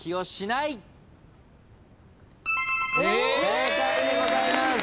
正解でございます。